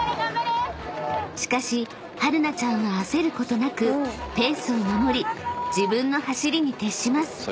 ［しかしはるなちゃんは焦ることなくペースを守り自分の走りに徹します］